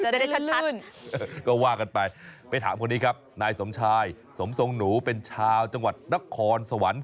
ได้ชัดก็ว่ากันไปไปถามคนนี้ครับนายสมชายสมทรงหนูเป็นชาวจังหวัดนครสวรรค์